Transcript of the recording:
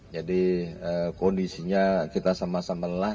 jadi kondisinya kita sama sama lelah